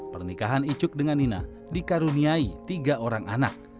pernikahan icuk dengan nina dikaruniai tiga orang anak